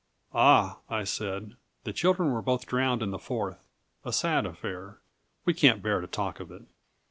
"Ah," I said, "the children were both drowned in the Forth; a sad affair we can't bear to talk of it."